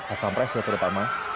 asal pres ya terutama